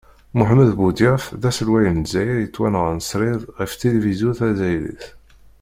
Muḥemmed Buḍyaf d aselway n lezzayer yettwanɣan srid ɣef tilivizyu tazzayrit.